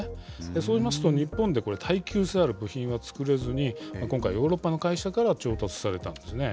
そうなりますと、日本で耐久性ある部品を作れずに、今回、ヨーロッパの会社から調達されたんですね。